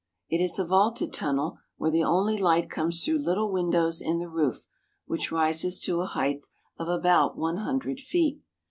It is a vaulted tunnel where the only light comes through little windows in the roof, which rises to a height of about one hundred feet.